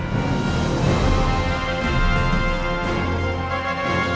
สวัสดีครับ